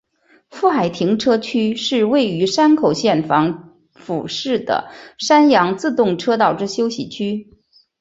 富海停车区是位于山口县防府市的山阳自动车道之休息区。